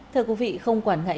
thưa quý vị không quản ngại